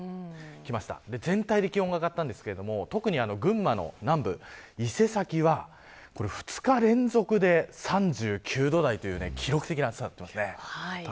全体で気温が上がったんですけど特に群馬の南部伊勢崎は２日連続で３９度台という記録的な暑さとなっています。